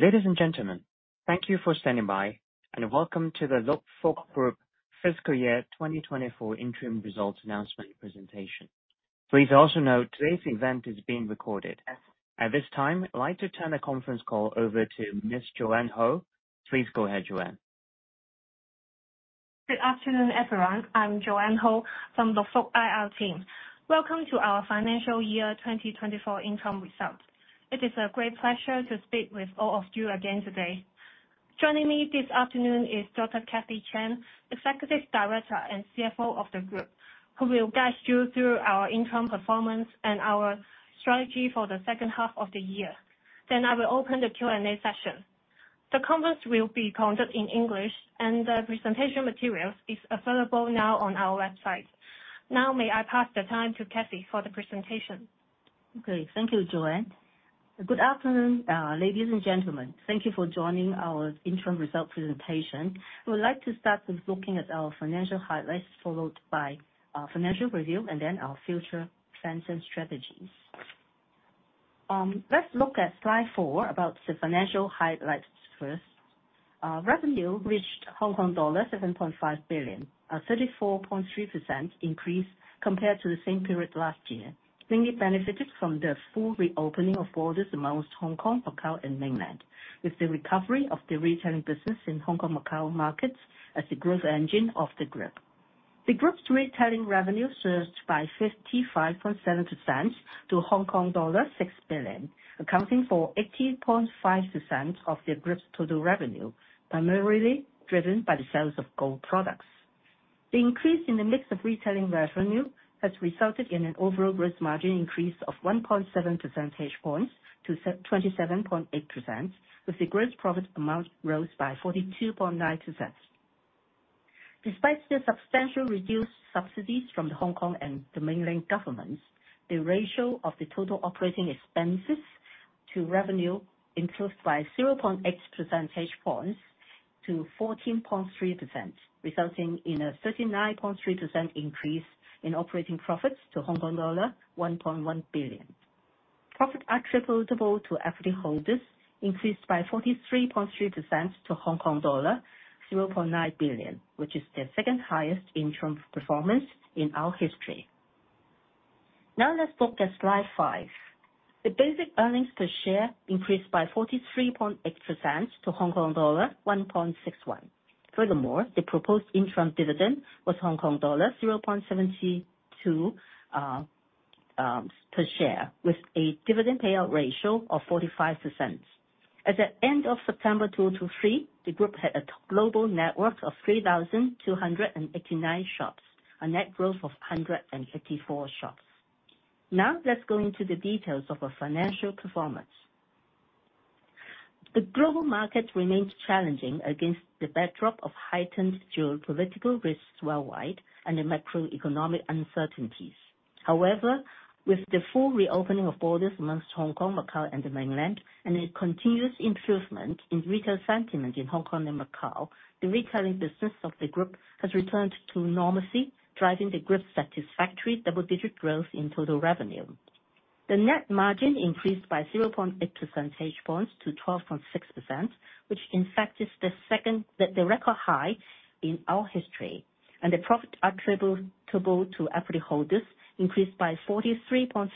Ladies and gentlemen, thank you for standing by, and welcome to the Chow Tai Fook Group Fiscal Year 2024 Interim Results Announcement presentation. Please also note, today's event is being recorded. At this time, I'd like to turn the conference call over to Ms. Joanne Ho. Please go ahead, Joanne. Good afternoon, everyone. I'm Joanne Ho from the Chow Tai Fook IR team. Welcome to our financial year 2024 interim results. It is a great pleasure to speak with all of you again today. Joining me this afternoon is Dr. Kathy Chan, Executive Director and CFO of the group, who will guide you through our interim performance and our strategy for the second half of the year. Then I will open the Q&A session. The conference will be conducted in English, and the presentation materials are available now on our website. Now, may I hand it over to Kathy for the presentation? Okay. Thank you, Joanne. Good afternoon, ladies and gentlemen. Thank you for joining our interim results presentation. I would like to start with looking at our financial highlights, followed by our financial review and then our future plans and strategies. Let's look at slide 4 about the financial highlights first. Revenue reached Hong Kong dollar 7.5 billion, a 34.3% increase compared to the same period last year, mainly benefited from the full reopening of borders among Hong Kong, Macau, and Mainland, with the recovery of the retailing business in Hong Kong, Macau markets as the growth engine of the group. The group's retailing revenue surged by 55.7% to Hong Kong dollar 6 billion, accounting for 80.5% of the group's total revenue, primarily driven by the sales of gold products. The increase in the mix of retailing revenue has resulted in an overall gross margin increase of 1.7 percentage points to 27.8%, with the gross profit amount rose by 42.9%. Despite the substantial reduced subsidies from the Hong Kong and the Mainland governments, the ratio of the total operating expenses to revenue increased by 0.8 percentage points to 14.3%, resulting in a 39.3% increase in operating profits to Hong Kong dollar 1.1 billion. Profit attributable to equity holders increased by 43.3% to Hong Kong dollar 0.9 billion, which is the second highest interim performance in our history. Now let's look at slide 5. The basic earnings per share increased by 43.8% to Hong Kong dollar 1.61. Furthermore, the proposed interim dividend was Hong Kong dollar 0.72 per share, with a dividend payout ratio of 45%. At the end of September 2023, the group had a global network of 3,289 shops, a net growth of 184 shops. Now, let's go into the details of our financial performance. The global market remains challenging against the backdrop of heightened geopolitical risks worldwide and the macroeconomic uncertainties. However, with the full reopening of borders amongst Hong Kong, Macau, and the Mainland, and a continuous improvement in retail sentiment in Hong Kong and Macau, the retailing business of the group has returned to normalcy, driving the group's satisfactory double-digit growth in total revenue. The net margin increased by 0.8 percentage points to 12.6%, which in fact is the second record high in our history, and the profit attributable to equity holders increased by 43.3%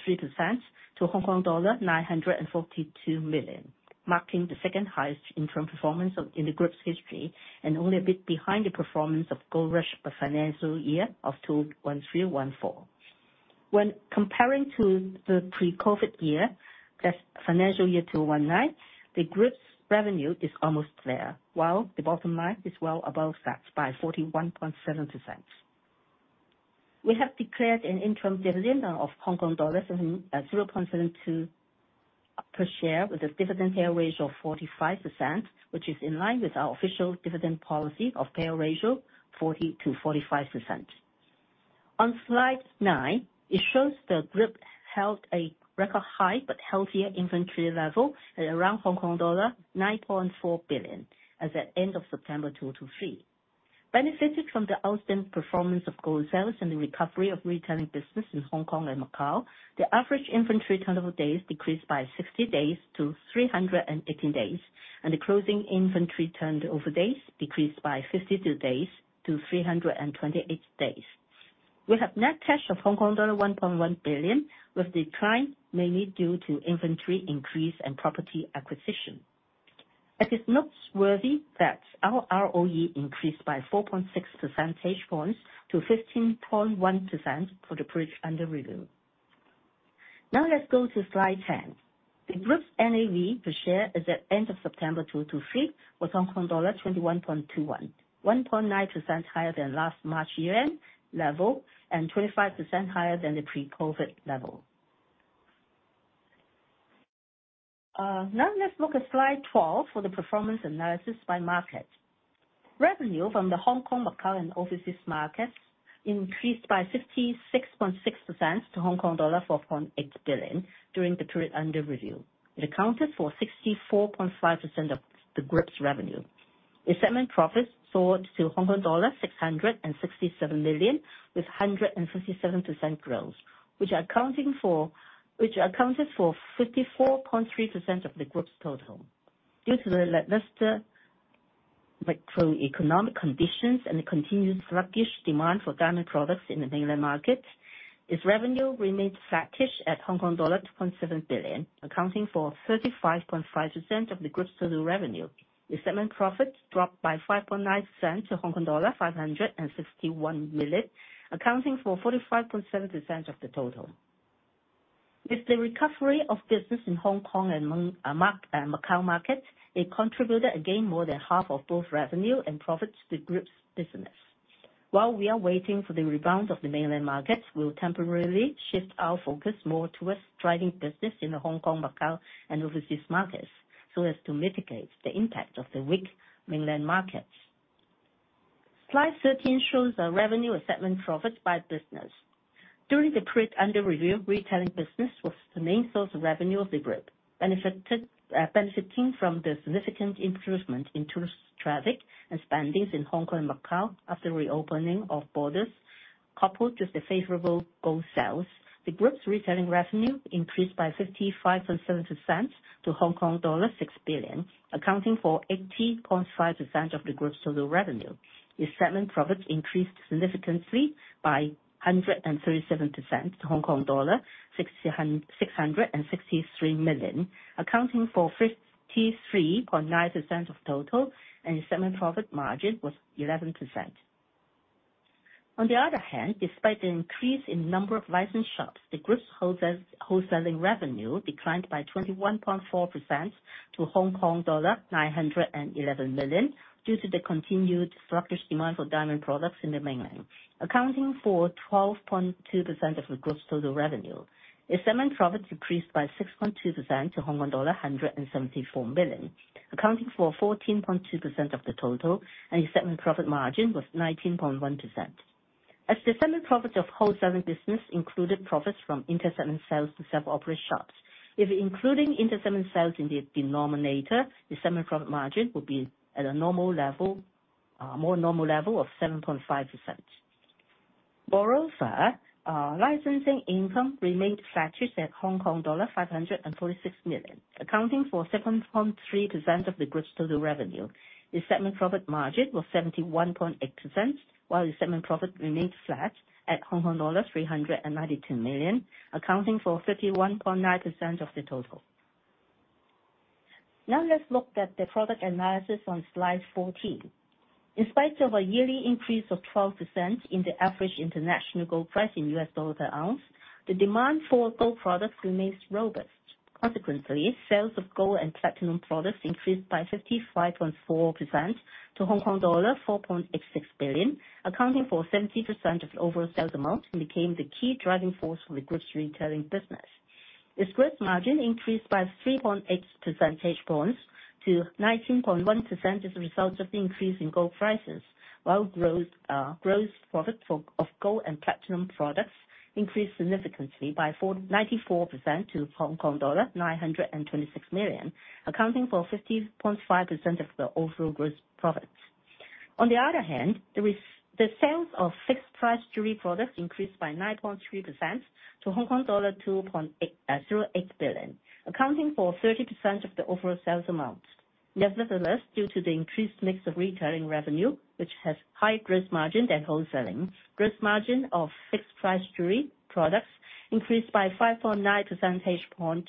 to Hong Kong dollar 942 million, marking the second highest interim performance in the group's history, and only a bit behind the performance of gold rush for financial year 2013-2014. When comparing to the pre-COVID year, that's financial year 2019, the group's revenue is almost there, while the bottom line is well above that by 41.7%. We have declared an interim dividend of 0.72 Hong Kong dollars per share, with a dividend payout ratio of 45%, which is in line with our official dividend policy of payout ratio 40%-45%. On slide 9, it shows the group held a record high but healthier inventory level at around Hong Kong dollar 9.4 billion as at end of September 2023. Benefited from the outstanding performance of gold sales and the recovery of retailing business in Hong Kong and Macau, the average inventory turnover days decreased by 60 days to 318 days, and the closing inventory turnover days decreased by 52 days to 328 days. We have net cash of Hong Kong dollar 1.1 billion, with decline mainly due to inventory increase and property acquisition. It is noteworthy that our ROE increased by 4.6 percentage points to 15.1% for the period under review. Now let's go to slide 10. The group's NAV per share as at end of September 2023, was Hong Kong dollar 21.21. 1.9% higher than last March year-end level and 25% higher than the pre-COVID level. Now let's look at slide 12 for the performance analysis by market. Revenue from the Hong Kong, Macau, and overseas markets increased by 56.6% to Hong Kong dollar 4.8 billion during the period under review. It accounted for 64.5% of the group's revenue. The segment profits soared to Hong Kong dollar 667 million, with 157% growth, which accounted for 54.3% of the group's total. Due to the lackluster macroeconomic conditions and the continued sluggish demand for diamond products in the mainland market, its revenue remained flattish at Hong Kong dollar 2.7 billion, accounting for 35.5% of the group's total revenue. The segment profit dropped by 5.9% to Hong Kong dollar 561 million, accounting for 45.7% of the total. With the recovery of business in Hong Kong and Macau markets, it contributed again more than half of both revenue and profits to the group's business. While we are waiting for the rebound of the mainland markets, we'll temporarily shift our focus more towards driving business in the Hong Kong, Macau, and overseas markets, so as to mitigate the impact of the weak mainland markets. Slide 13 shows the revenue and segment profit by business. During the period under review, retailing business was the main source of revenue of the group, benefited, benefiting from the significant improvement in tourist traffic and spending in Hong Kong and Macau after reopening of borders, coupled with the favorable gold sales. The group's retailing revenue increased by 55.7% to Hong Kong dollar 6 billion, accounting for 80.5% of the group's total revenue. The segment profits increased significantly by 137% to Hong Kong dollar 663 million, accounting for 53.9% of total, and the segment profit margin was 11%. On the other hand, despite the increase in number of licensed shops, the group's wholesaling revenue declined by 21.4% to Hong Kong dollar 911 million, due to the continued sluggish demand for diamond products in the mainland, accounting for 12.2% of the group's total revenue. The segment profit decreased by 6.2% to Hong Kong dollar 174 million, accounting for 14.2% of the total, and the segment profit margin was 19.1%. As the segment profit of wholesaling business included profits from inter-segment sales to self-operated shops. If including inter-segment sales in the denominator, the segment profit margin would be at a normal level, more normal level of 7.5%. Moreover, licensing income remained flattish at Hong Kong dollar 546 million, accounting for 7.3% of the group's total revenue. The segment profit margin was 71.8%, while the segment profit remained flat at Hong Kong dollars 392 million, accounting for 51.9% of the total. Now let's look at the product analysis on slide 14. In spite of a yearly increase of 12% in the average international gold price in U.S. dollars an ounce, the demand for gold products remains robust. Consequently, sales of gold and platinum products increased by 55.4% to Hong Kong dollar 4.86 billion, accounting for 70% of the overall sales amount and became the key driving force for the group's retailing business. Its gross margin increased by 3.8 percentage points to 19.1% as a result of the increase in gold prices, while growth, gross profit for, of gold and platinum products increased significantly by 494% to Hong Kong dollar 926 million, accounting for 50.5% of the overall gross profits. On the other hand, the sales of fixed-price jewelry products increased by 9.3% to Hong Kong dollar 2.808 billion, accounting for 30% of the overall sales amount. Nevertheless, due to the increased mix of retailing revenue, which has higher gross margin than wholesaling, gross margin of fixed-price jewelry products increased by 5.9 percentage point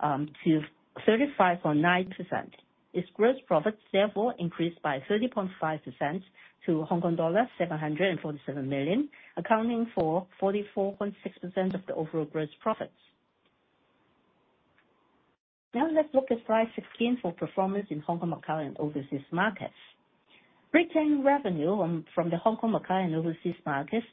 to 35.9%. Its gross profit therefore increased by 30.5% to Hong Kong dollar 747 million, accounting for 44.6% of the overall gross profits. Now let's look at slide 16 for performance in Hong Kong, Macau, and overseas markets. Retailing revenue from the Hong Kong, Macau, and overseas markets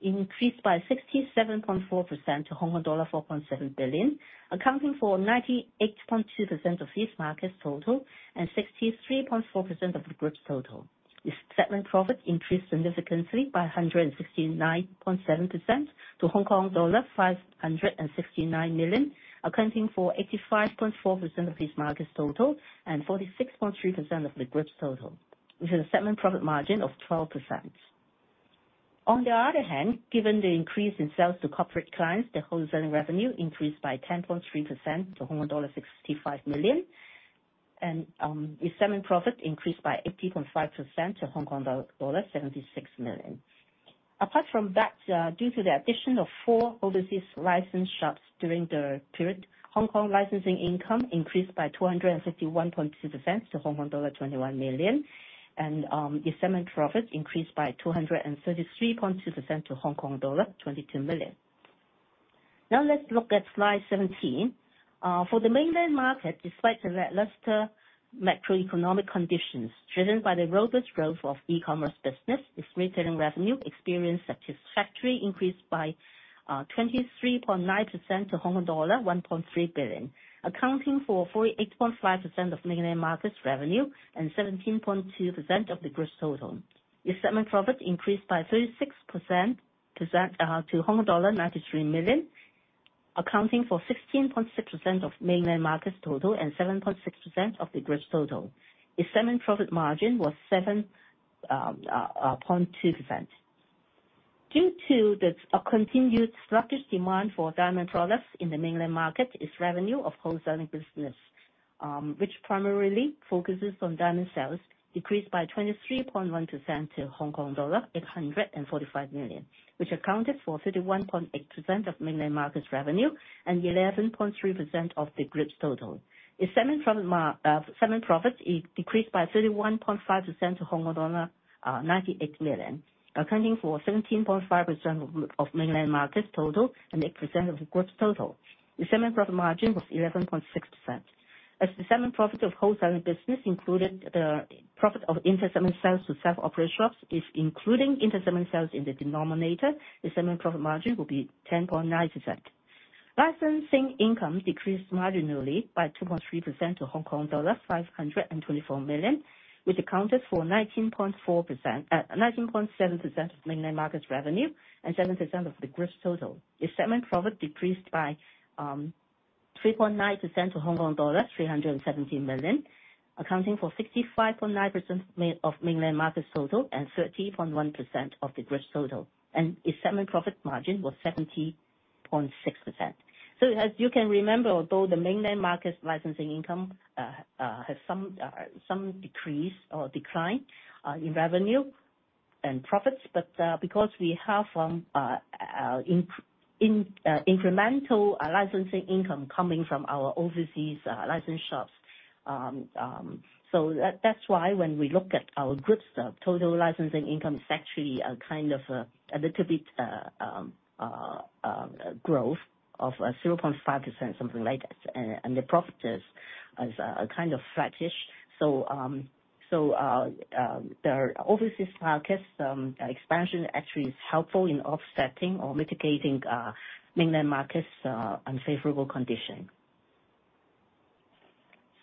increased by 67.4% to Hong Kong dollar 4.7 billion, accounting for 98.2% of these markets total and 63.4% of the group's total. The segment profit increased significantly by 169.7% to Hong Kong dollar 569 million, accounting for 85.4% of these markets total and 46.3% of the group's total, with a segment profit margin of 12%. On the other hand, given the increase in sales to corporate clients, the wholesaling revenue increased by 10.3% to 65 million, and the segment profit increased by 80.5% to Hong Kong dollar 76 million. Apart from that, due to the addition of four overseas licensed shops during the period, Hong Kong licensing income increased by 251.2% to Hong Kong dollar 21 million, and the segment profit increased by 233.2% to Hong Kong dollar 22 million. Now let's look at slide 17. For the mainland market, despite the lackluster macroeconomic conditions, driven by the robust growth of e-commerce business, its retailing revenue experienced a satisfactory increase by 23.9% to Hong Kong dollar 1.3 billion, accounting for 48.5% of mainland markets revenue and 17.2% of the group's total. The segment profit increased by 36% to Hong Kong dollar 93 million, accounting for 16.6% of mainland markets total and 7.6% of the group's total. Its segment profit margin was 7.2%. Due to the continued sluggish demand for diamond products in the mainland market, its revenue of wholesaling business, which primarily focuses on diamond sales, decreased by 23.1% to Hong Kong dollar 845 million, which accounted for 31.8% of mainland market's revenue and 11.3% of the group's total. Its segment profit decreased by 31.5% to Hong Kong dollar 98 million, accounting for 17.5% of mainland market's total and 8% of the group's total. The segment profit margin was 11.6%. As the segment profit of wholesaling business included the profit of inter-segment sales to self-operate shops, if including inter-segment sales in the denominator, the segment profit margin will be 10.9%. Licensing income decreased marginally by 2.3% to Hong Kong dollar 524 million, which accounted for 19.4%, 19.7% of mainland markets revenue and 7% of the group's total. The segment profit decreased by 3.9% to Hong Kong dollars 317 million, accounting for 65.9% of mainland markets total and 13.1% of the group's total, and its segment profit margin was 70.6%. So as you can remember, though, the mainland markets licensing income has some decrease or decline in revenue and profits, but because we have incremental licensing income coming from our overseas licensed shops, so that's why when we look at our group's total licensing income, it's actually a kind of a little bit growth of 0.5%, something like that. And the profit is kind of flattish. So the overseas markets expansion actually is helpful in offsetting or mitigating mainland markets unfavorable condition.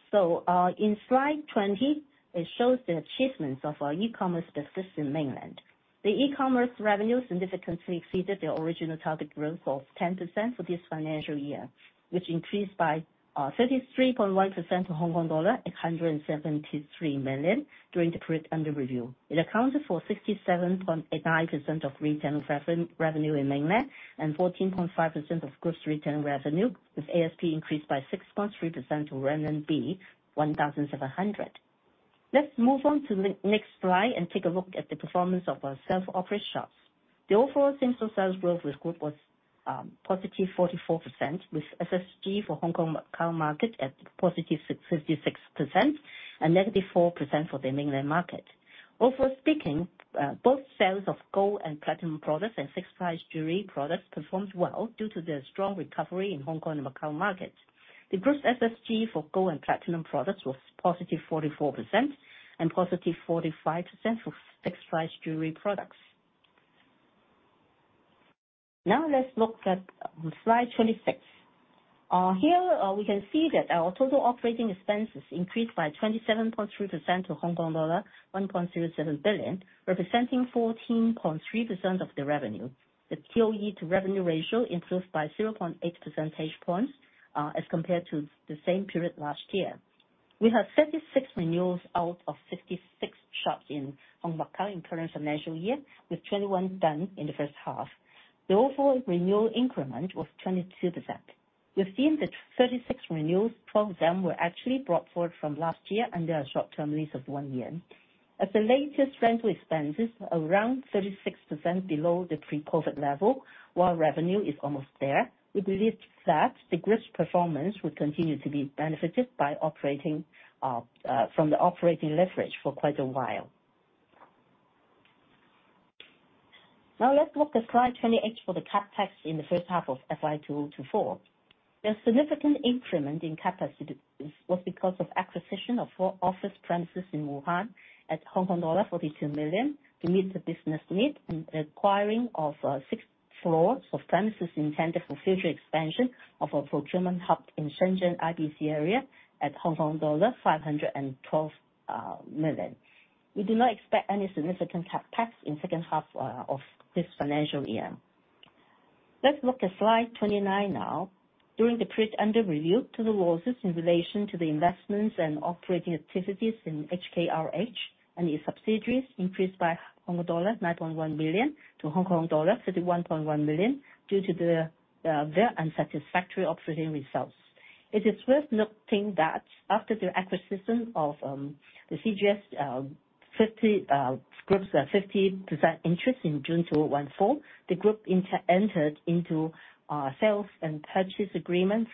So in slide 20, it shows the achievements of our e-commerce business in mainland. The e-commerce revenue significantly exceeded the original target growth of 10% for this financial year, which increased by 33.1% to Hong Kong dollar 873 million during the period under review. It accounted for 67.89% of retail revenue in mainland and 14.5% of group's retail revenue, with ASP increased by 6.3% to RMB 1,700. Let's move on to the next slide and take a look at the performance of our self-operate shops. The overall same-store sales growth with group was positive +44%, with SSG for Hong Kong, Macau market at positive +56% and negative -4% for the mainland market. Overall speaking, both sales of gold and platinum products and fixed price jewelry products performed well due to the strong recovery in Hong Kong and Macau markets. The group's SSG for gold and platinum products was positive 44% and positive 45% for fixed price jewelry products. Now let's look at slide 26. Here, we can see that our total operating expenses increased by 27.3% to Hong Kong dollar 1.07 billion, representing 14.3% of the revenue. The OE to revenue ratio improved by 0.8 percentage points, as compared to the same period last year. We had 36 renewals out of 56 shops in Hong Kong, Macau, in current financial year, with 21 done in the first half. The overall renewal increment was 22%. Within the 36 renewals, 12 of them were actually brought forward from last year under a short-term lease of 1 year. As the latest rental expense is around 36% below the pre-COVID level, while revenue is almost there, we believe that the group's performance will continue to be benefited by operating from the operating leverage for quite a while. Now let's look at slide 28 for the CapEx in the first half of FY 2024. The significant increment in CapEx was because of acquisition of four office premises in Wuhan at Hong Kong dollar 42 million to meet the business need and acquiring of sixth floors of premises intended for future expansion of our procurement hub in Shenzhen IBC area at Hong Kong dollar 512 million. We do not expect any significant CapEx in second half of this financial year. Let's look at slide 29 now. During the period under review to the losses in relation to the investments and operating activities in HKRH and its subsidiaries increased by Hong Kong dollar 9.1 million to Hong Kong dollar 31.1 million, due to the their unsatisfactory operating results. It is worth noting that after the acquisition of the CGS Group's 50% interest in June 2014, the group entered into sales and purchase agreements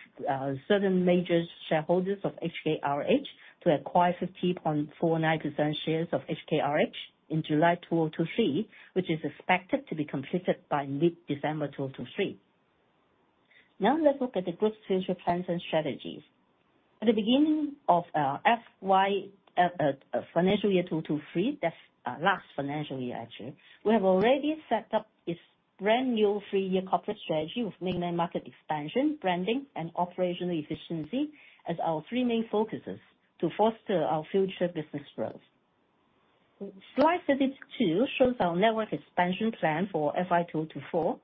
certain major shareholders of HKRH to acquire 50.49% shares of HKRH in July 2023, which is expected to be completed by mid-December 2023. Now let's look at the group's future plans and strategies. At the beginning of FY, financial year 2023, that's last financial year actually, we have already set up this brand new three-year corporate strategy with mainland market expansion, branding, and operational efficiency as our three main focuses to foster our future business growth. Slide 32 shows our network expansion plan for FY 2024.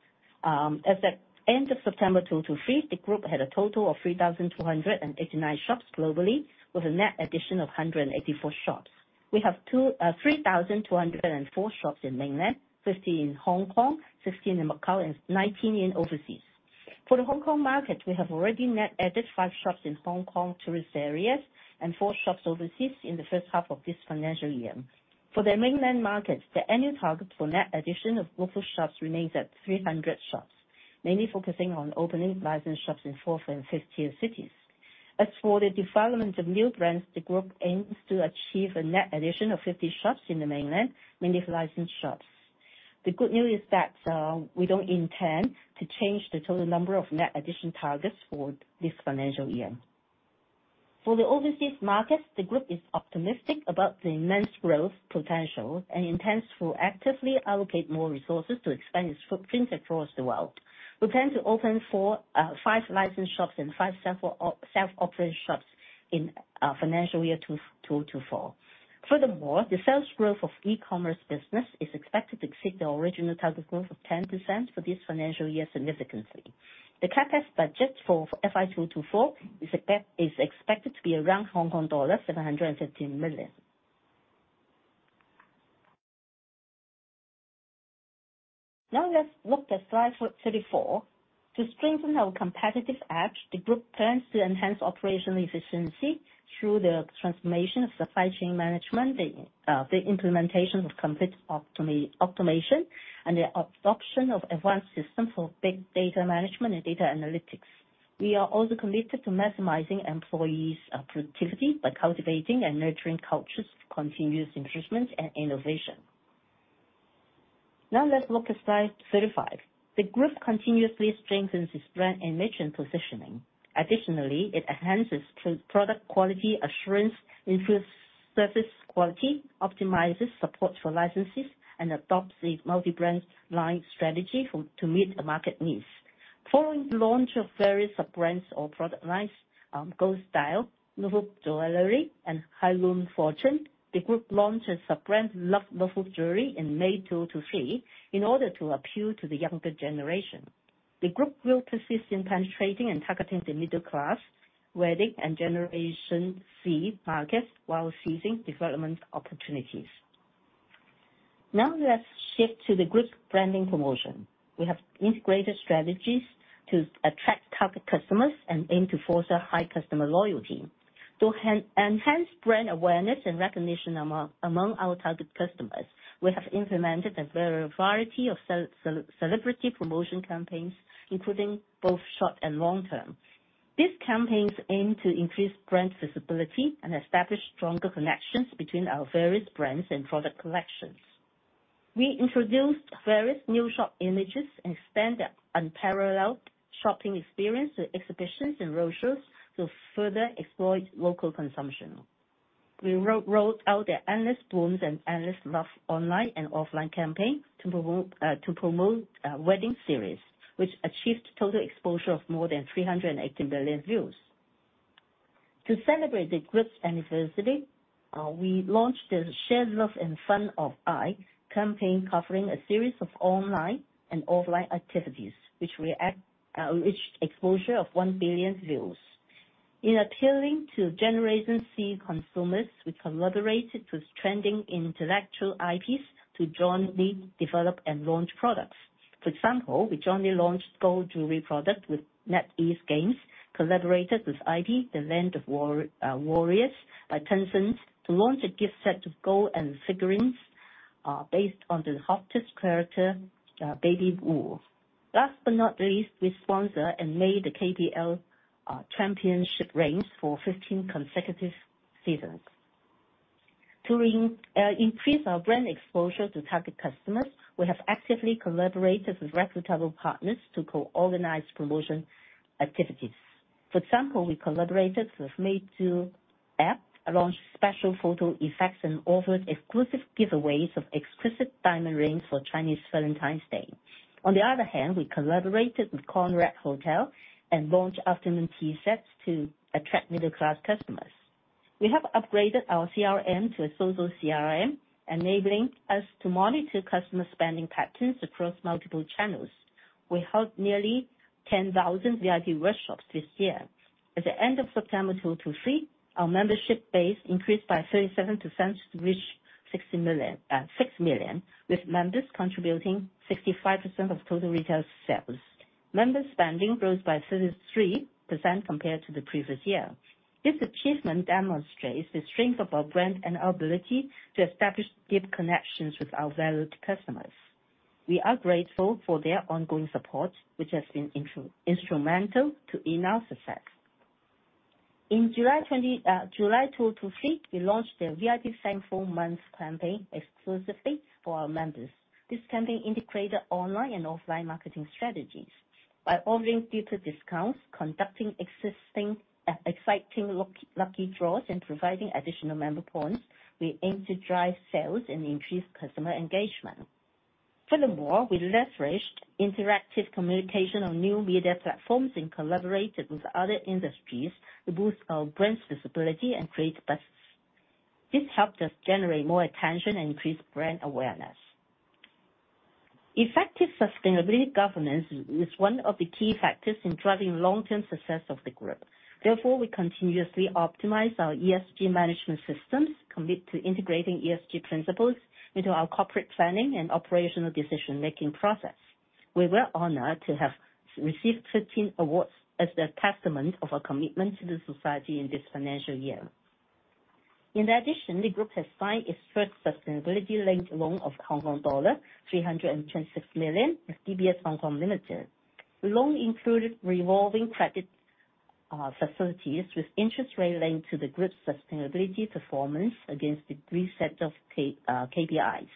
As at end of September 2023, the group had a total of 3,289 shops globally, with a net addition of 184 shops. We have 2,304 shops in mainland, 50 in Hong Kong, 16 in Macau, and 19 in overseas. For the Hong Kong market, we have already net added 5 shops in Hong Kong tourist areas and 4 shops overseas in the first half of this financial year. For the mainland market, the annual target for net addition of global shops remains at 300 shops, mainly focusing on opening licensed shops in fourth and fifth tier cities. As for the development of new brands, the group aims to achieve a net addition of 50 shops in the mainland, mainly licensed shops. The good news is that, we don't intend to change the total number of net addition targets for this financial year. For the overseas markets, the group is optimistic about the immense growth potential and intends to actively allocate more resources to expand its footprints across the world. We plan to open 5 licensed shops and 5 self-operated shops in financial year 2024. Furthermore, the sales growth of e-commerce business is expected to exceed the original target growth of 10% for this financial year significantly. The CapEx budget for FY 24 is expected to be around Hong Kong dollars 715 million. Now, let's look at slide 34. To strengthen our competitive edge, the group plans to enhance operational efficiency through the transformation of supply chain management, the implementation of complete optimization, and the adoption of advanced system for big data management and data analytics. We are also committed to maximizing employees' productivity by cultivating and nurturing cultures, continuous improvement and innovation. Now, let's look at slide 35. The group continuously strengthens its brand and mission positioning. Additionally, it enhances product quality assurance, improves service quality, optimizes support for licenses, and adopts a multi-brand line strategy to meet the market needs. Following the launch of various sub-brands or product lines, Goldstyle, Nouveau Jewelry, and Heirloom Fortune, the group launched a sub-brand, Love Nouveau Jewelry in May 2023, in order to appeal to the younger generation. The group will persist in penetrating and targeting the middle class, wedding and Generation Z markets, while seizing development opportunities. Now, let's shift to the group's branding promotion. We have integrated strategies to attract target customers and aim to foster high customer loyalty. To enhance brand awareness and recognition among our target customers, we have implemented a variety of celebrity promotion campaigns, including both short and long term. These campaigns aim to increase brand visibility and establish stronger connections between our various brands and product collections. We introduced various new shop images and expanded unparalleled shopping experience with exhibitions and roadshows to further exploit local consumption. We rolled out the Endless Blooms and Endless Love online and offline campaign to promote wedding series, which achieved total exposure of more than 380 million views. To celebrate the group's anniversary, we launched the Share Love and Fun of AI campaign, covering a series of online and offline activities, which reached exposure of 1 billion views. In appealing to Generation Z consumers, we collaborated with trending intellectual IPs to jointly develop and launch products. For example, we jointly launched gold jewelry product with NetEase Games, collaborated with IP, Honor of Kings by Tencent to launch a gift set of gold and figurines based on the hottest character, Baby Wukong. Last but not least, we sponsor and made the KPL championship rings for 15 consecutive seasons. To increase our brand exposure to target customers, we have actively collaborated with reputable partners to co-organize promotion activities. For example, we collaborated with Meitu App to launch special photo effects and offered exclusive giveaways of exquisite diamond rings for Chinese Valentine's Day. On the other hand, we collaborated with Conrad Hotel and launched afternoon tea sets to attract middle-class customers. We have upgraded our CRM to a social CRM, enabling us to monitor customer spending patterns across multiple channels. We held nearly 10,000 VIP workshops this year. At the end of September 2023, our membership base increased by 37% to reach six million, with members contributing 65% of total retail sales. Member spending rose by 33% compared to the previous year. This achievement demonstrates the strength of our brand and our ability to establish deep connections with our valued customers. We are grateful for their ongoing support, which has been instrumental in our success. In July 2023, we launched the VIP Thankful Month campaign exclusively for our members. This campaign integrated online and offline marketing strategies. By offering deeper discounts, conducting exciting lucky draws, and providing additional member points, we aim to drive sales and increase customer engagement. Furthermore, we leveraged interactive communication on new media platforms and collaborated with other industries to boost our brand's visibility and create buzz. This helped us generate more attention and increase brand awareness. Effective sustainability governance is one of the key factors in driving long-term success of the group. Therefore, we continuously optimize our ESG management systems, commit to integrating ESG principles into our corporate planning and operational decision-making process. We were honored to have received 13 awards as the testament of our commitment to the society in this financial year. In addition, the group has signed its first sustainability linked loan of Hong Kong dollar 326 million with DBS Hong Kong Limited. The loan included revolving credit facilities with interest rate linked to the group's sustainability performance against the three set of KPIs.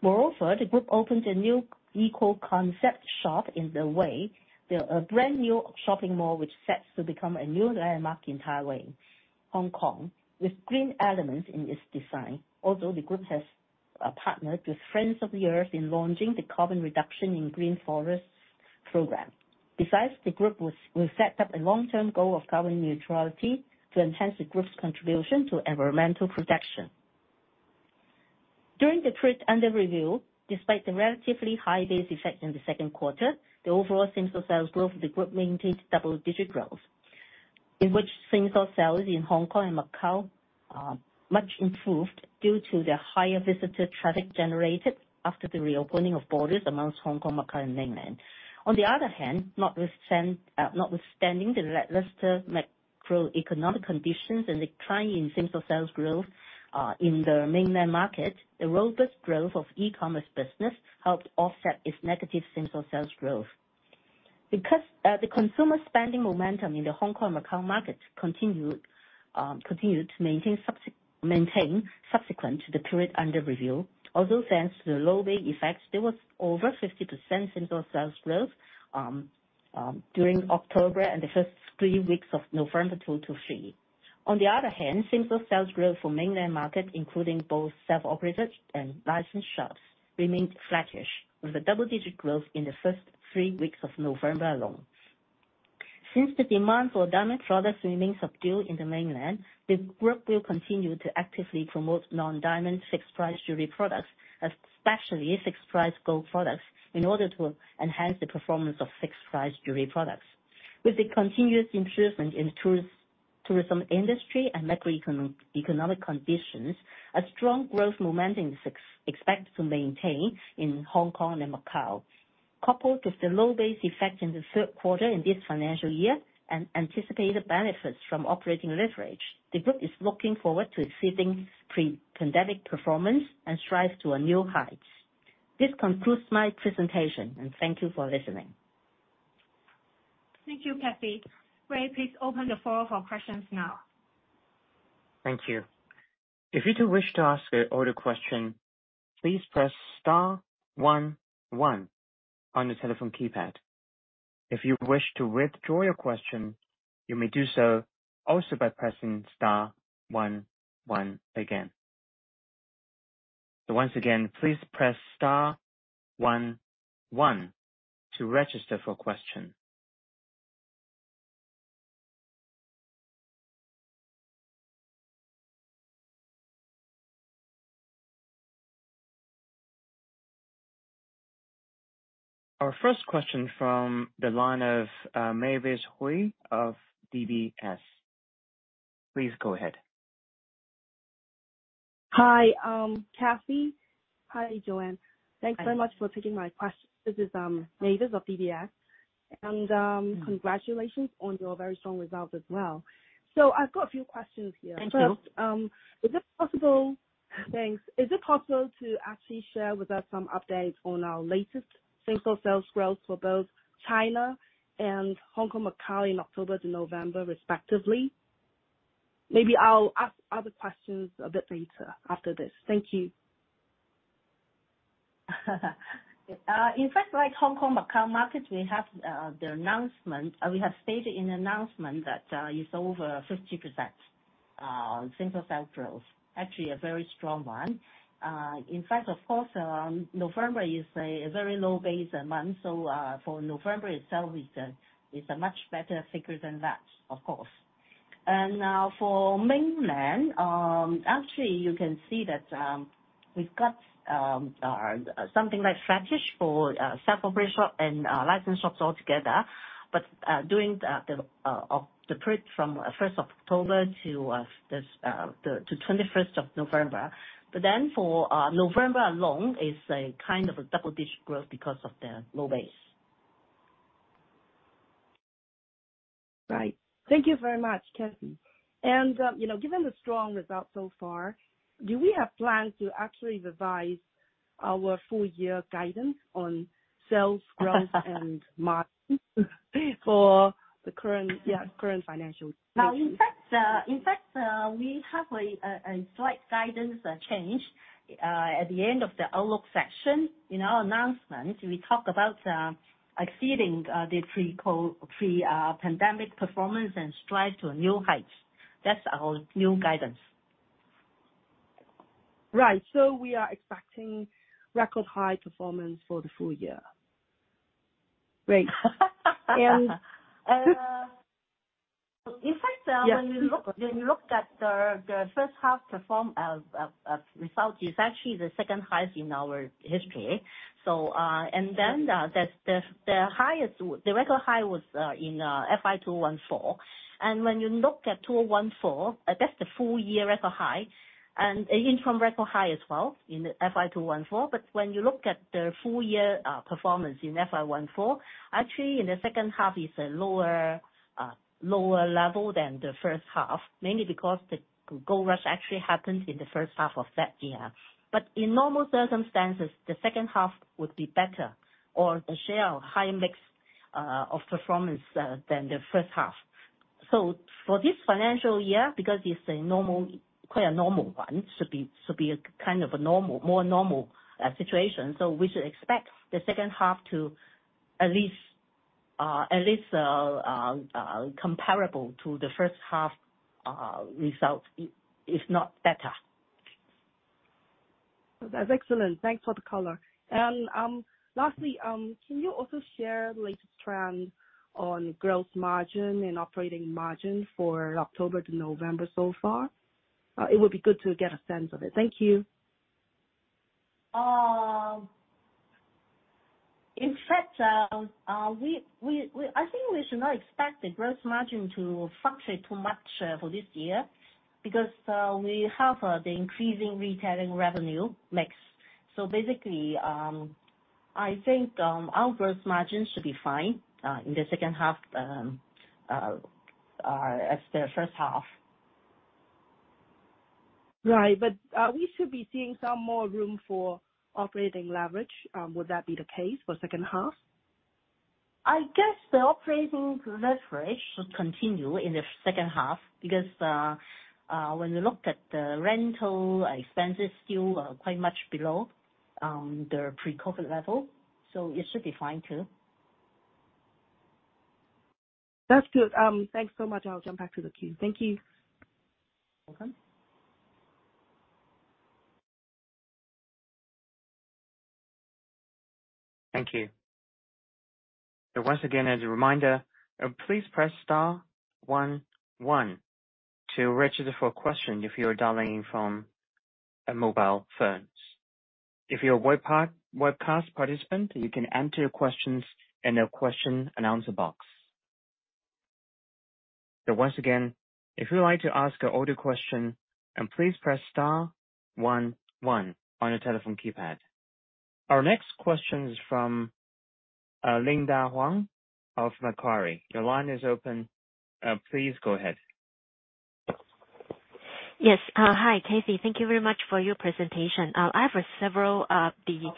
Moreover, the group opened a new eco-concept shop in The Wai, the brand-new shopping mall, which sets to become a new landmark in Tai Wai, Hong Kong, with green elements in its design. Also, the group has partnered with Friends of the Earth in launching the Carbon Reduction in Green Force program. Besides, the group we set up a long-term goal of carbon neutrality to enhance the group's contribution to environmental protection. During the period under review, despite the relatively high base effect in the second quarter, the overall same-store sales growth of the group maintained double-digit growth, in which same-store sales in Hong Kong and Macau are much improved due to the higher visitor traffic generated after the reopening of borders among Hong Kong, Macau, and Mainland. On the other hand, notwithstanding the lackluster macroeconomic conditions and the decline in same-store sales growth in the Mainland market, the robust growth of e-commerce business helped offset its negative same-store sales growth. Because the consumer spending momentum in the Hong Kong, Macau market continued to maintain subsequent to the period under review. Although thanks to the low base effects, there was over 50% same-store sales growth during October and the first three weeks of November 2023. On the other hand, same-store sales growth for Mainland market, including both self-operated and licensed shops, remained flattish, with a double-digit growth in the first three weeks of November alone. Since the demand for diamond products remains subdued in the Mainland, the group will continue to actively promote non-diamond fixed-price jewelry products, especially fixed-price gold products, in order to enhance the performance of fixed-price jewelry products. With the continuous improvement in tourism industry and macro economic conditions, a strong growth momentum is expected to maintain in Hong Kong and Macau. Coupled with the low base effect in the third quarter in this financial year and anticipated benefits from operating leverage, the group is looking forward to exceeding pre-pandemic performance and strives to a new heights. This concludes my presentation, and thank you for listening. Thank you, Kathy. Ray, please open the floor for questions now. Thank you. If you do wish to ask a audio question, please press *11 on the telephone keypad. If you wish to withdraw your question, you may do so also by pressing *11 again. So once again, please press *11 to register for question. Our first question from the line of Mavis Hui of DBS. Please go ahead. Hi, Kathy. Hi, Joanne. Hi. Thanks very much for taking my question. This is Mavis of DBS. Congratulations on your very strong results as well. So I've got a few questions here. Thank you. First, is it possible... Thanks. Is it possible to actually share with us some updates on our latest same-store sales growth for both China and Hong Kong, Macau in October to November, respectively? Maybe I'll ask other questions a bit later after this. Thank you. In fact, like Hong Kong, Macau markets, we have the announcement, we have stated in the announcement that it's over 50% same-store sales growth. Actually, a very strong one. In fact, of course, November is a very low base month, so for November itself, it's a much better figure than that, of course. And for Mainland, actually, you can see that we've got something like flattish for self-operated shop and licensed shops altogether. But during the period from 1st of October to the 21st of November. But then for November alone, is a kind of a double-digit growth because of the low base. Right. Thank you very much, Kathy. And, you know, given the strong results so far, do we have plans to actually revise our full year guidance on sales growth and margin for the current,, current financial year? Now, in fact, in fact, we have a slight guidance change. At the end of the outlook section in our announcement, we talked about exceeding the pre-pandemic performance and strive to a new heights. That's our new guidance. Right. So we are expecting record high performance for the full year. Great. And, in fact, Yes. When you look at the first half performance result, it is actually the second highest in our history. So... And then, the highest, the record high was in FY 2014. And when you look at 2014, that is the full year record high, and interim record high as well in FY 2014. But when you look at the full year performance in FY 2014, actually in the second half is a lower level than the first half, mainly because the gold rush actually happened in the first half of that year. But in normal circumstances, the second half would be better, or share a higher mix of performance than the first half. So for this financial year, because it's a normal, quite a normal one, should be a kind of a normal, more normal situation. So we should expect the second half to at least comparable to the first half results, if not better. That's excellent. Thanks for the color. Lastly, can you also share the latest trend on gross margin and operating margin for October to November so far? It would be good to get a sense of it. Thank you. In fact, I think we should not expect the gross margin to fluctuate too much for this year, because we have the increasing retailing revenue mix. So basically, I think our gross margin should be fine in the second half as the first half. Right. But we should be seeing some more room for operating leverage. Would that be the case for second half? I guess the operating leverage should continue in the second half, because, when you look at the rental expenses, still are quite much below, the pre-COVID level, so it should be fine, too. That's good. Thanks so much. I'll jump back to the queue. Thank you. Welcome. Thank you. So once again, as a reminder, please press *11 to register for a question if you are dialing in from a mobile phone. If you're a webcast participant, you can enter your questions in the question and answer box. So once again, if you'd like to ask an audio question, please press *11 on your telephone keypad. Our next question is from Linda Huang of Macquarie. Your line is open. Please go ahead. Yes. Hi, Kathy. Thank you very much for your presentation. I have several, the-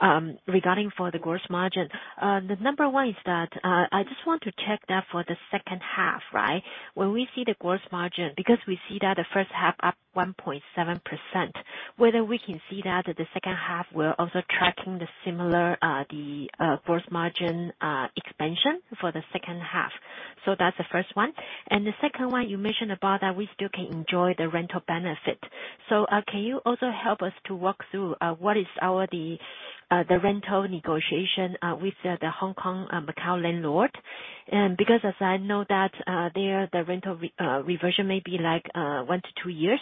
Okay. Regarding for the gross margin. The number one is that, I just want to check that for the second half, right? When we see the gross margin, because we see that the first half up 1.7%, whether we can see that the second half, we're also tracking the similar gross margin expansion for the second half. So that's the first one. The second one, you mentioned about that we still can enjoy the rental benefit. So, can you also help us to walk through, what is our rental negotiation with the Hong Kong and Macau landlord? Because as I know that, there, the rental reversion may be like 1-2 years.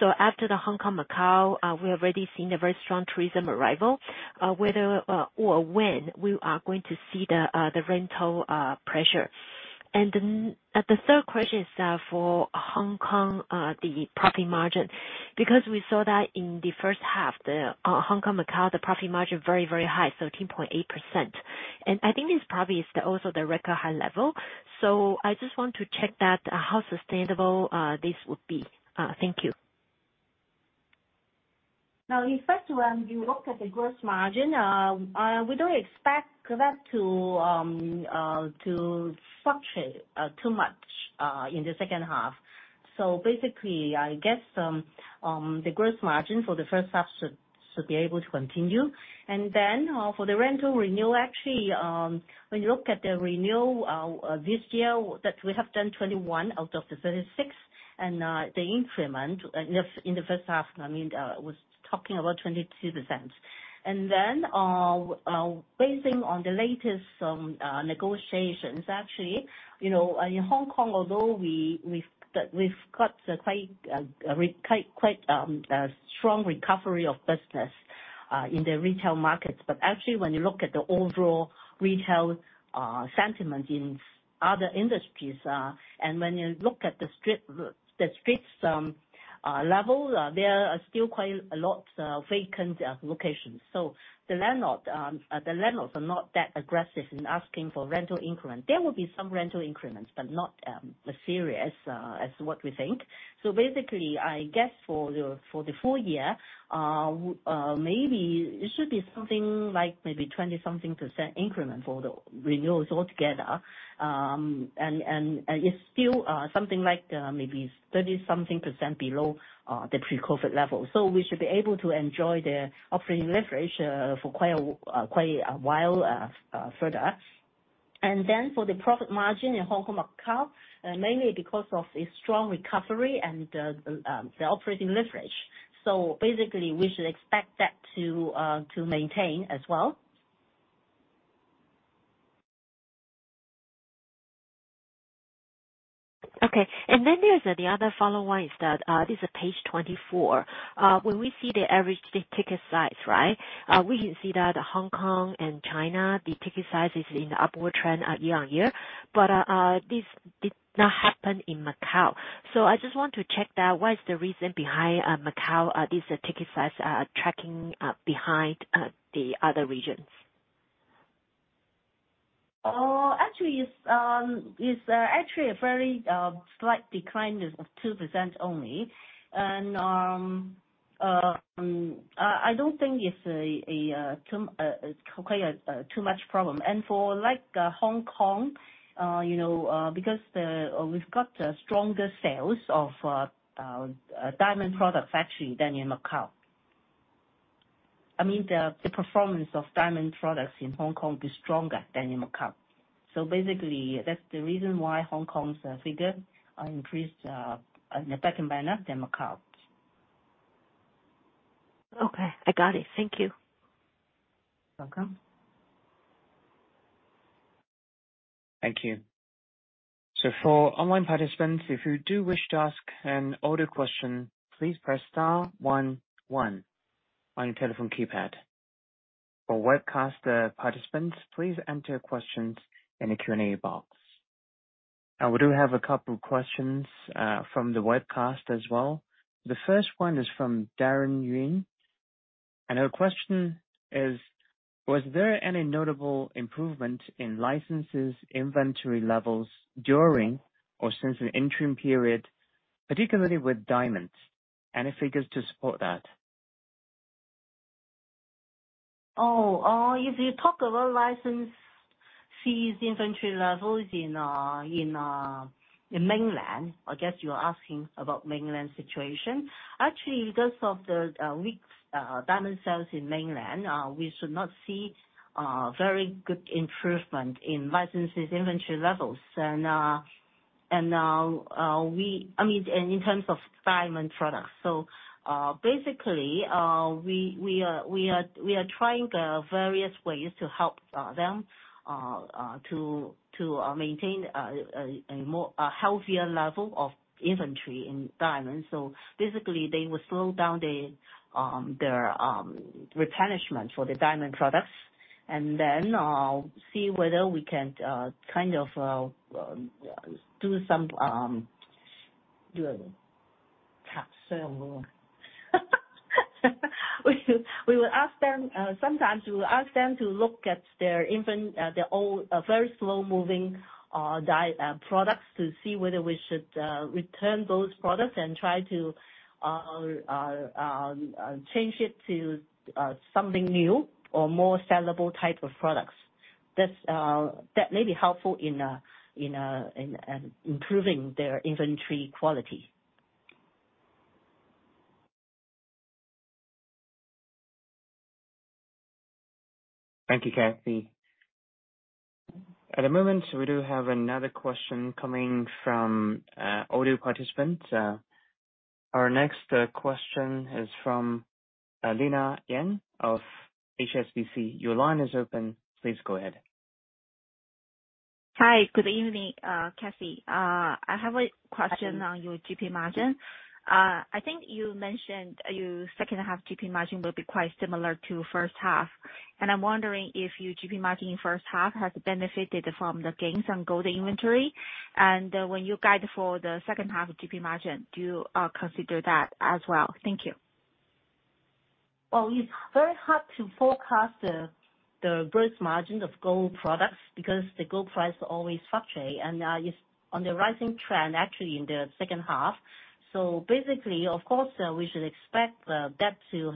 So after the Hong Kong, Macau, we've already seen a very strong tourism arrival, whether or when we are going to see the rental pressure. And then, the third question is, for Hong Kong, the profit margin, because we saw that in the first half, the Hong Kong, Macau, the profit margin very, very high, 13.8%. And I think this probably is the, also the record high level. So I just want to check that, how sustainable this would be. Thank you. Now, in fact, when you look at the gross margin, we don't expect that to fluctuate too much in the second half. So basically, I guess, the gross margin for the first half should be able to continue. And then, for the rental renewal, actually, when you look at the renewal this year, that we have done 21 out of the 36, and the increment in the first half, I mean, was talking about 22%. And then, basing on the latest negotiations, actually, you know, in Hong Kong, although we've got a quite strong recovery of business in the retail markets. But actually, when you look at the overall retail sentiment in other industries, and when you look at the street, the streets level, there are still quite a lot vacant locations. So the landlord, the landlords are not that aggressive in asking for rental increment. There will be some rental increments, but not serious as what we think. So basically, I guess for the full year, maybe it should be something like maybe 20-something% increment for the renewals altogether. And it's still something like maybe 30-something% below the pre-COVID level. So we should be able to enjoy the operating leverage for quite a while further. And then for the profit margin in Hong Kong and Macau, mainly because of the strong recovery and the operating leverage. So basically, we should expect that to maintain as well. Okay. And then there's the other follow-on is that, this is page 24. When we see the average ticket size, right? We can see that Hong Kong and China, the ticket size is in upward trend at year-on-year, but this did not happen in Macau. So I just want to check that, what is the reason behind Macau this ticket size tracking behind the other regions? Actually, it's actually a very slight decline of 2% only. And I don't think it's a too quite too much problem. And for like Hong Kong, you know, because we've got stronger sales of diamond products actually than in Macau. I mean, the performance of diamond products in Hong Kong is stronger than in Macau. So basically, that's the reason why Hong Kong's figure increased in the second half than Macau. Okay, I got it. Thank you. Welcome. Thank you. So for online participants, if you do wish to ask an audio question, please press *11 on your telephone keypad. For webcast participants, please enter your questions in the Q&A box. And we do have a couple questions from the webcast as well. The first one is from Doreen Yun, and her question is: Was there any notable improvement in licenses, inventory levels during or since the interim period, particularly with diamonds? Any figures to support that? Oh, if you talk about license fees, inventory levels in Mainland, I guess you're asking about Mainland situation. Actually, because of the weak diamond sales in Mainland, we should not see very good improvement in licensees' inventory levels and we... I mean, in terms of diamond products. So, basically, we are trying various ways to help them to maintain a more healthier level of inventory in diamonds. So basically, they will slow down their replenishment for the diamond products, and then see whether we can kind of do some. We will ask them. Sometimes we will ask them to look at their inventory, their old very slow-moving diamond products, to see whether we should return those products and try to change it to something new or more sellable type of products. That may be helpful in improving their inventory quality. Thank you, Kathy. At the moment, we do have another question coming from audio participant. Our next question is from Lina Yan of HSBC. Your line is open. Please go ahead. Hi. Good evening, Kathy. I have a question on your GP margin. I think you mentioned your second half GP margin will be quite similar to first half, and I'm wondering if your GP margin in first half has benefited from the gains on gold inventory. And, when you guide for the second half of GP margin, do you consider that as well? Thank you. Well, it's very hard to forecast the gross margin of gold products, because the gold price always fluctuate, and it's on the rising trend, actually in the second half. So basically, of course, we should expect that to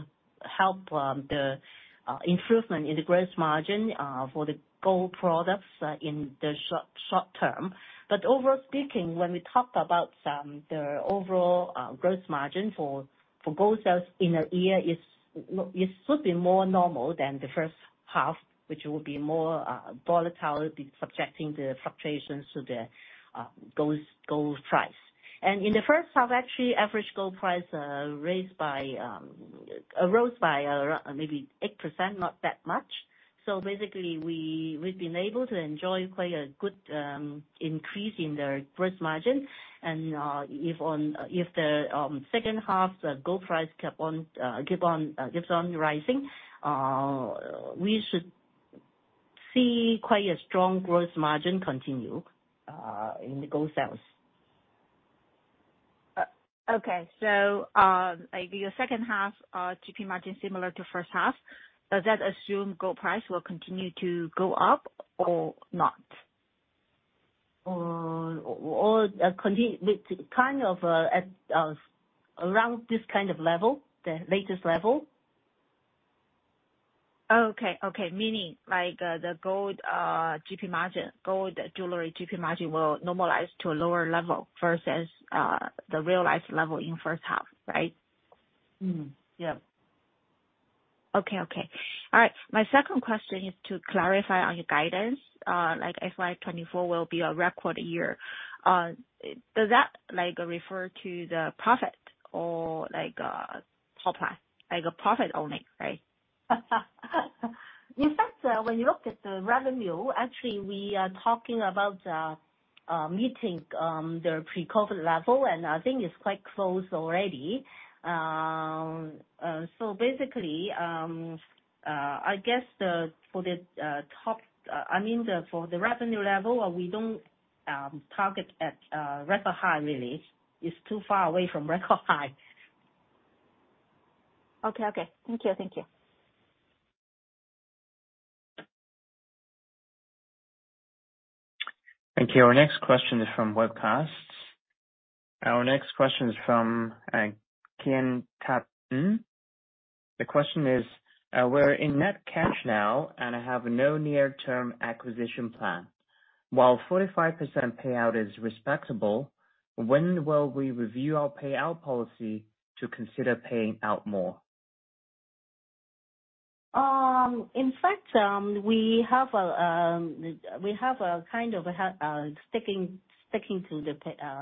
help the improvement in the gross margin for the gold products in the short term. But overall speaking, when we talk about the overall gross margin for gold sales in a year, it should be more normal than the first half, which will be more volatile, subjecting the fluctuations to the gold price. And in the first half, actually, average gold price rose by maybe 8%, not that much. So basically, we've been able to enjoy quite a good increase in the gross margin. If in the second half the gold price keeps on rising, we should see quite a strong gross margin continue in the gold sales. Okay. So, like the second half, GP margin, similar to first half, does that assume gold price will continue to go up or not? Or continue with kind of at around this kind of level, the latest level. Okay, okay. Meaning like, the gold GP margin, gold jewelry GP margin will normalize to a lower level versus the realized level in first half, right?... Okay, okay. All right, my second question is to clarify on your guidance, like FY 2024 will be a record year. Does that like refer to the profit or like, top line, like a profit only, right? In fact, when you look at the revenue, actually, we are talking about meeting the pre-COVID level, and I think it's quite close already. So basically, I guess the, for the top, I mean the, for the revenue level, we don't target at record high really. It's too far away from record high. Okay, okay. Thank you, thank you. Thank you. Our next question is from Webcast. Our next question is from, Ken Tatten. The question is: We're in net cash now, and I have no near-term acquisition plan. While 45% payout is respectable, when will we review our payout policy to consider paying out more? In fact, we have a kind of sticking to the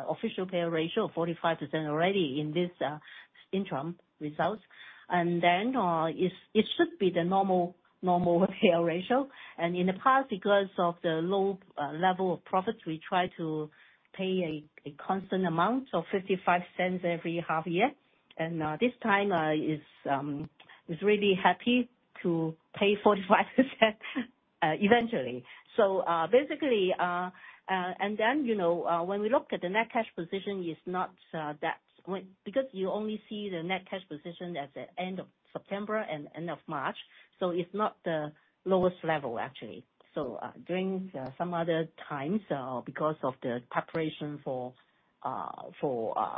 official payout ratio of 45% already in this interim results. And then, it should be the normal payout ratio. And in the past, because of the low level of profits, we try to pay a constant amount of 0.55 every half year. And this time is really happy to pay 45%, eventually. So, basically... And then, you know, when we look at the net cash position, it's not—because you only see the net cash position at the end of September and end of March, so it's not the lowest level, actually. So, during some other times, because of the preparation for the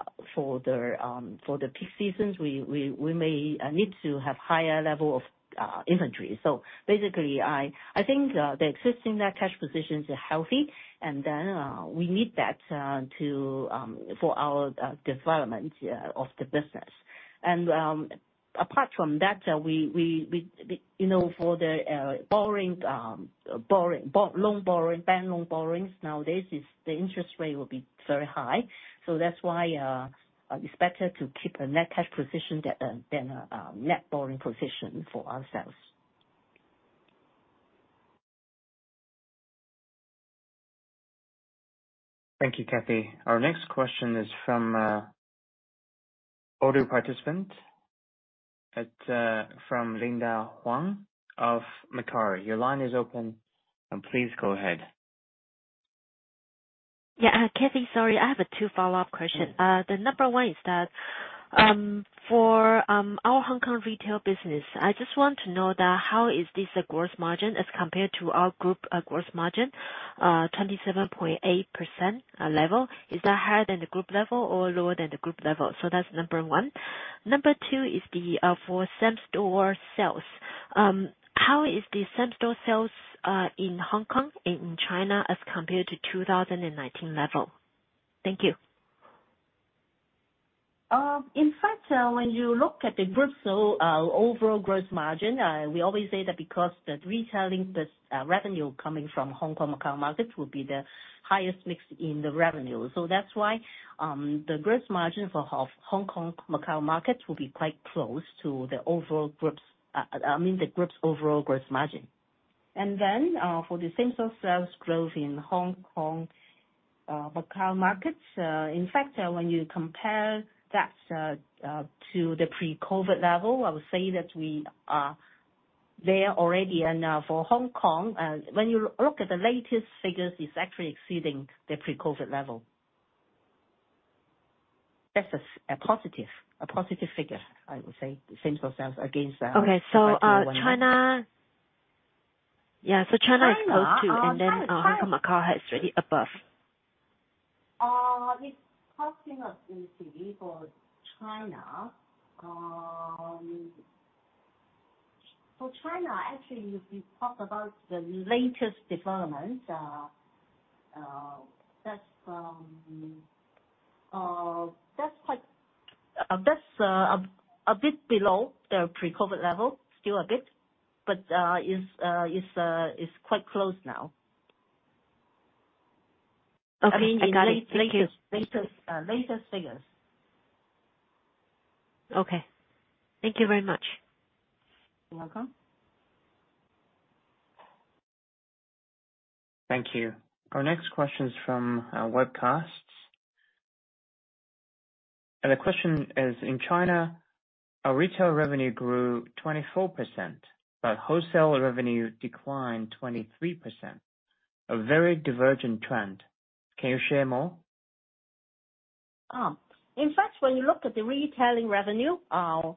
peak seasons, we may need to have higher level of inventory. So basically, I think the existing net cash positions are healthy, and then we need that to for our development of the business. And apart from that, we, you know, for the borrowing, bank loan borrowings, nowadays is the interest rate will be very high. So that's why it's better to keep a net cash position than a net borrowing position for ourselves. Thank you, Kathy. Our next question is from other participant. It's from Linda Huang of Macquarie. Your line is open, and please go ahead. , Kathy, sorry. I have a two follow-up question. The number one is that for our Hong Kong retail business, I just want to know that how is this gross margin as compared to our group gross margin, 27.8% level? Is that higher than the group level or lower than the group level? So that's number one. Number two is for same-store sales. How is the same-store sales in Hong Kong and in China as compared to 2019 level? Thank you. In fact, when you look at the group, so overall gross margin, we always say that because the retailing revenue coming from Hong Kong, Macau markets will be the highest mix in the revenue. So that's why, the gross margin for Hong Kong, Macau markets will be quite close to the overall group's, I mean, the group's overall gross margin. And then, for the same-store sales growth in Hong Kong, Macau markets, in fact, when you compare that to the pre-COVID level, I would say that we are there already. And, for Hong Kong, when you look at the latest figures, it's actually exceeding the pre-COVID level. That's a positive figure, I would say, the same-store sales against- Okay. So, China..., so China is close too and then, Hong Kong, Macau has really above. It's costing us easily for China. For China, actually, if you talk about the latest development, that's like a bit below the pre-COVID level, still a bit, but is quite close now. Okay, I got it. Thank you. Latest figures. Okay. Thank you very much. You're welcome. Thank you. Our next question is from Webcast. The question is: In China, our retail revenue grew 24%, but wholesale revenue declined 23%, a very divergent trend. Can you share more? In fact, when you look at the retailing revenue, so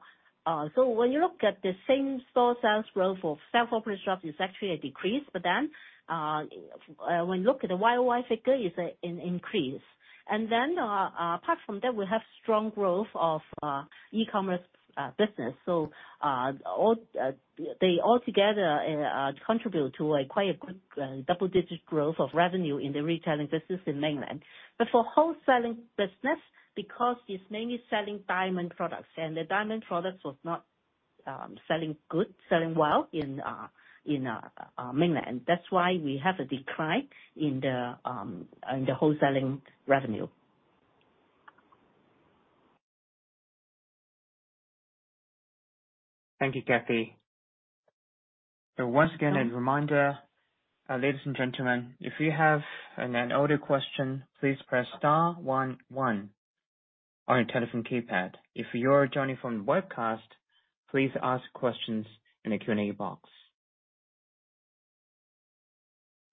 when you look at the same-store sales growth for same-store sales is actually a decrease. But then, when you look at the YOY figure, it's an increase. And then, apart from that, we have strong growth of e-commerce business. So, they all together contribute to quite a good double-digit growth of revenue in the retailing business in mainland. But for wholesaling business, because it's mainly selling diamond products, and the diamond products was not selling well in our mainland. That's why we have a decline in the wholesaling revenue. Thank you, Kathy. So once again, as a reminder, ladies and gentlemen, if you have an audio question, please press *11 on your telephone keypad. If you're joining from the webcast, please ask questions in the Q&A box.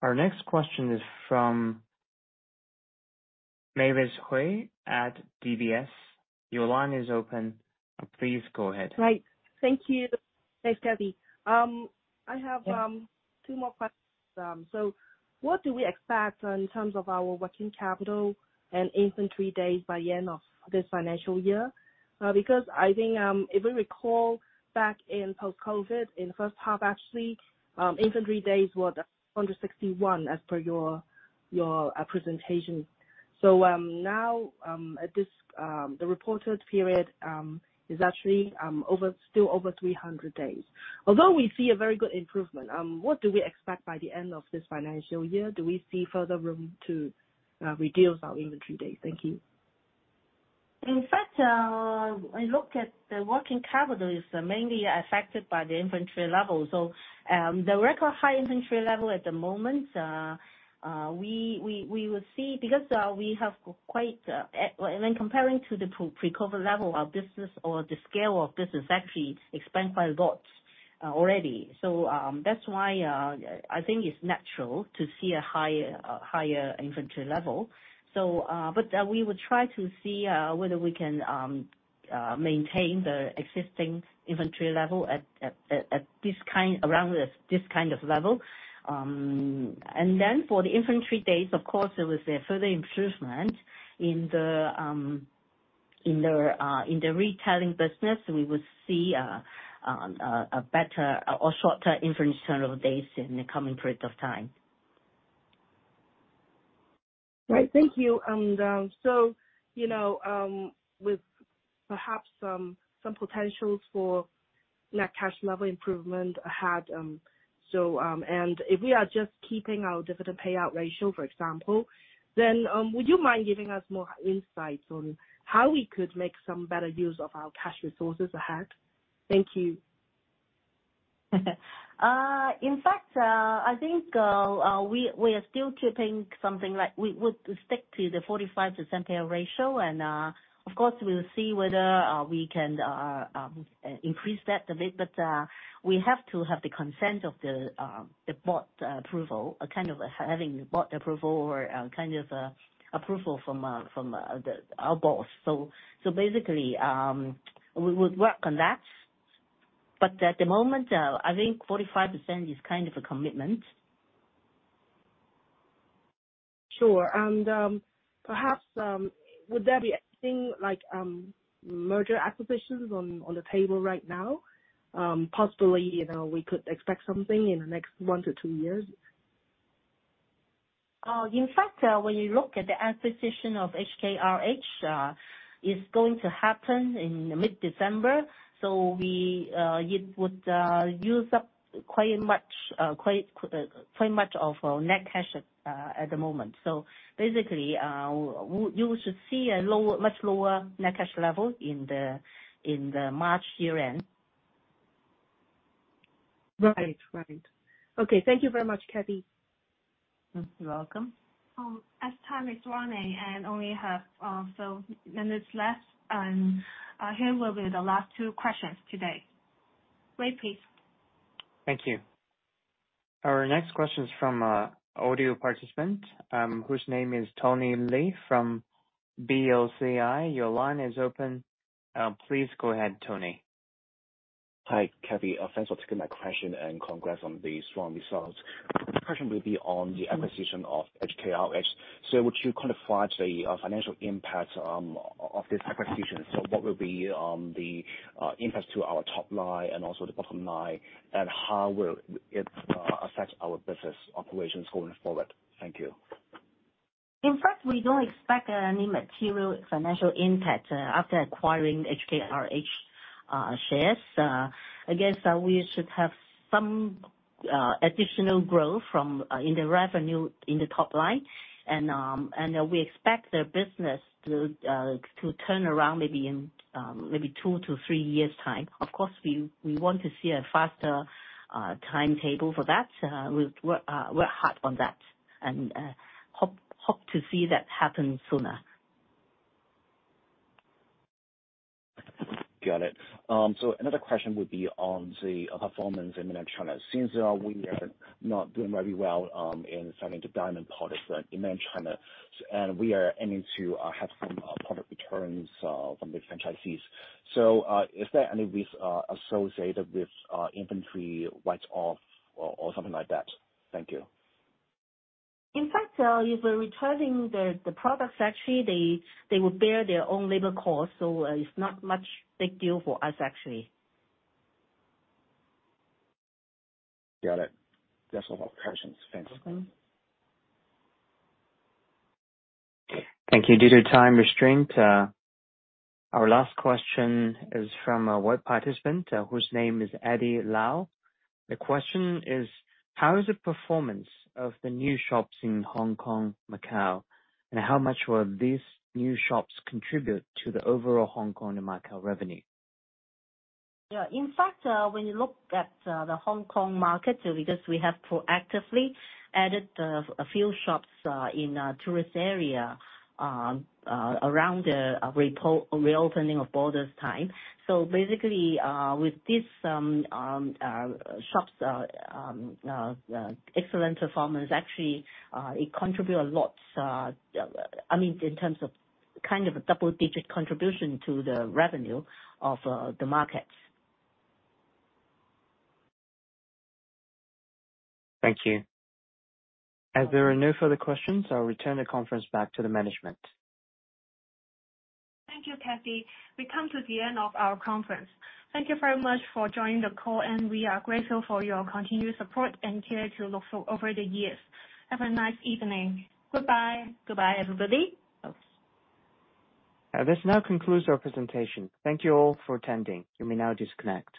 Our next question is from Mavis Hui at DBS. Your line is open. Please go ahead. Right. Thank you. Thanks, Kathy. I have two more questions. So what do we expect in terms of our working capital and inventory days by the end of this financial year? Because I think, if we recall back in post-COVID, in the first half, actually, inventory days were under 61, as per your presentation. So, now, at this, the reported period, is actually, still over 300 days. Although we see a very good improvement, what do we expect by the end of this financial year? Do we see further room to reduce our inventory days? Thank you. In fact, I look at the working capital is mainly affected by the inventory level. So, the record high inventory level at the moment, we will see because, we have quite, when comparing to the pre-COVID level, our business or the scale of business actually expanded quite a lot, already. So, that's why, I think it's natural to see a higher inventory level. So, but, we will try to see, whether we can, maintain the existing inventory level at, around this kind of level. And then for the inventory days, of course, there was a further improvement in the retailing business. We will see a better or shorter inventory turnover days in the coming period of time. Right. Thank you. And so, you know, with perhaps some potentials for net cash level improvement ahead, so... And if we are just keeping our dividend payout ratio, for example, then, would you mind giving us more insights on how we could make some better use of our cash resources ahead? Thank you. In fact, I think we are still keeping something like we would stick to the 45% payout ratio, and of course, we'll see whether we can increase that a bit. But we have to have the consent of the board approval, a kind of having board approval or kind of approval from our board. So basically, we would work on that. But at the moment, I think 45% is kind of a commitment. Sure. And, perhaps, would there be anything like merger acquisitions on the table right now? Possibly, you know, we could expect something in the next 1-2 years. In fact, when you look at the acquisition of HKRH, it's going to happen in mid-December, so we, it would use up quite much, quite, quite much of our net cash at the moment. So basically, you, you should see a lower, much lower net cash level in the, in the March year-end. Right. Right. Okay. Thank you very much, Kathy. You're welcome. As time is running and only have so minutes left, here will be the last two questions today. Wait, please. Thank you. Our next question is from an audio participant, whose name is Tony Li from BOCI. Your line is open. Please go ahead, Tony. Hi, Kathy. Thanks for taking my question, and congrats on the strong results. The question will be on the acquisition of HKRH. So would you quantify the financial impact of this acquisition? So what will be the impact to our top line and also the bottom line, and how will it affect our business operations going forward? Thank you. In fact, we don't expect any material financial impact after acquiring HKRH shares. I guess we should have some additional growth from in the revenue in the top line. And we expect their business to turn around maybe in maybe 2-3 years' time. Of course, we want to see a faster timetable for that. We'll work hard on that, and hope to see that happen sooner. Got it. So another question would be on the performance in Mainland China. Since we are not doing very well in selling the diamond product in Mainland China, and we are aiming to have some product returns from the franchisees. So is there any risk associated with inventory write-off or something like that? Thank you. In fact, if we're returning the products, actually, they would bear their own labor cost, so it's not much big deal for us, actually. Got it. That's all my questions. Thanks. Thank you. Due to time constraints, our last question is from a web participant, whose name is Eddie Lau. The question is: How is the performance of the new shops in Hong Kong, Macau, and how much will these new shops contribute to the overall Hong Kong and Macau revenue?. In fact, when you look at the Hong Kong market, because we have proactively added a few shops in tourist area around the reopening of borders time. So basically, with these shops excellent performance, actually it contribute a lot, I mean, in terms of kind of a double-digit contribution to the revenue of the markets. Thank you. As there are no further questions, I'll return the conference back to the management. Thank you, Kathy. We come to the end of our conference. Thank you very much for joining the call, and we are grateful for your continued support and care to Luk Fook over the years. Have a nice evening. Goodbye. Goodbye, everybody. This now concludes our presentation. Thank you all for attending. You may now disconnect.